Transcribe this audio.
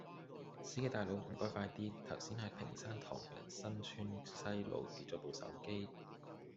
司機大佬唔該快啲，頭先喺屏山唐人新村西路跌左部手機